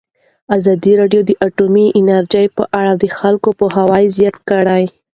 ازادي راډیو د اټومي انرژي په اړه د خلکو پوهاوی زیات کړی.